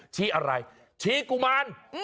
ชี้อะไรชี้กุมาร